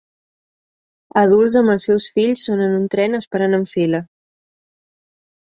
Adults amb els seus fills són en un tren esperant en fila